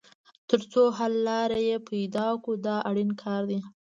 تر څو حل لاره یې پیدا کړو دا اړین کار دی.